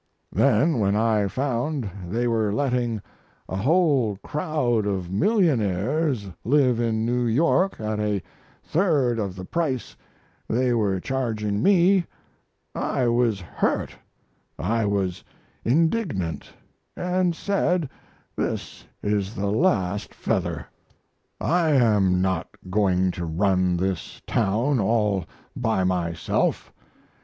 Then when I found they were letting a whole crowd of millionaires live in New York at a third of the price they were charging me I was hurt, I was indignant, and said, this is the last feather. I am not going to run this town all by myself.